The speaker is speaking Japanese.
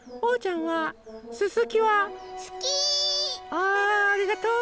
あありがとう！